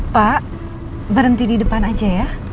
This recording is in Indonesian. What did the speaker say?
pak berhenti di depan aja ya